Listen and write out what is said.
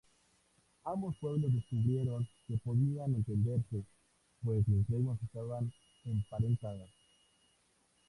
Ambos pueblos descubrieron que podían entenderse, pues las lenguas estaban emparentadas.